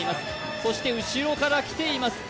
そして後ろから来ています